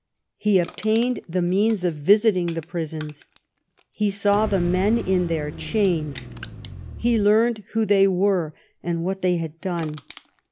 He obtained the means of visiting the prisons. He saw the men in their chains. He learned who they were and what they had done.